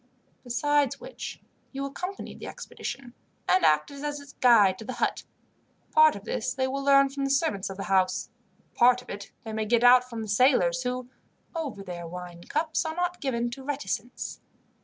Besides which, you accompanied the expedition, and acted as its guide to the hut. Part of this they will learn from the servants of the house, part of it they may get out from the sailors, who, over their wine cups, are not given to reticence.